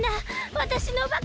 わたしのバカ！